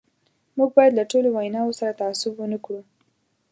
موږ باید له ټولو ویناوو سره تعصب ونه کړو.